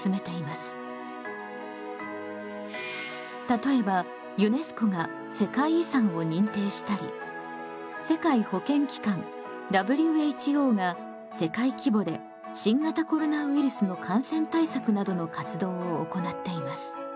例えばＵＮＥＳＣＯが世界遺産を認定したり世界保健機関・ＷＨＯが世界規模で新型コロナウイルスの感染対策などの活動を行っています。